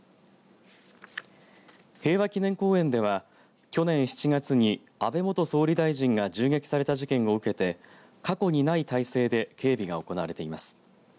平和祈念公園では、去年７月に安倍元総理大臣が銃撃された事件を受けて過去にない態勢で警備が行われています。